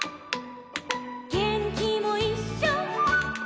「げんきもいっしょ」